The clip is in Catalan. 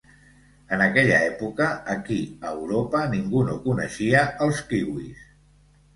En aquella època aquí a Europa ningú no coneixia els kiwis.